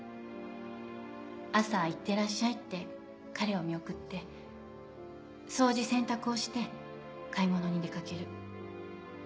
朝「いってらっしゃい」って彼を見送って掃除洗濯をして買い物に出掛ける。